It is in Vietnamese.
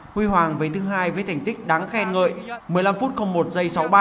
huy hoàng vấy thứ hai với thành tích đáng khen ngợi một mươi năm một sáu mươi ba